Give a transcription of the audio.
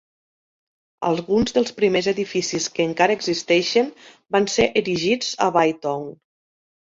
Alguns dels primers edificis que encara existeixen van ser erigits a Bytown.